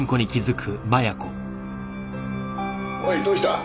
おいどうした？